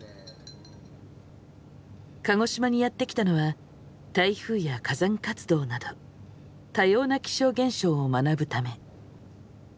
鹿児島にやって来たのは台風や火山活動など多様な気象現象を学ぶため。